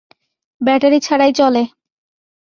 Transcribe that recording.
Battery ছাড়াই চলে।